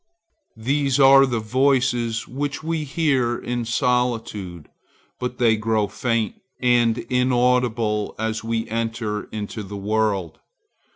These are the voices which we hear in solitude, but they grow faint and inaudible as we enter into the world.